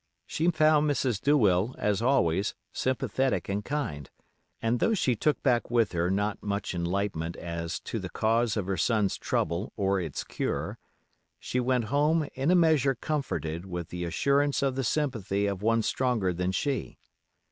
She found Mrs. Douwill, as always, sympathetic and kind, and though she took back with her not much enlightenment as to the cause of her son's trouble or its cure, she went home in a measure comforted with the assurance of the sympathy of one stronger than she.